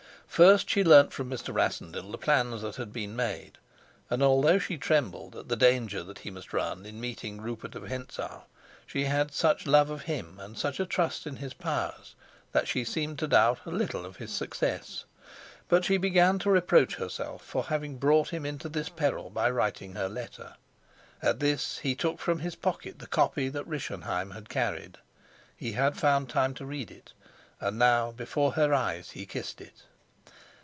First she learnt from Mr. Rassendyll the plans that had been made, and, although she trembled at the danger that he must run in meeting Rupert of Hentzau, she had such love of him and such a trust in his powers that she seemed to doubt little of his success. But she began to reproach herself for having brought him into this peril by writing her letter. At this he took from his pocket the copy that Rischenheim had carried. He had found time to read it, and now before her eyes he kissed it.